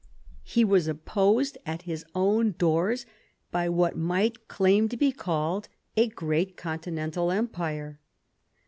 He was opposed at his own/ doors by what might claim to be called a great con ' tinental empire.